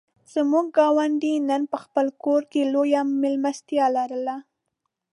زموږ ګاونډی نن په خپل کور کې لویه مېلمستیا لري.